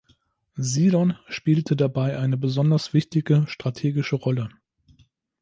Sidon spielte dabei eine besonders wichtige strategische Rolle.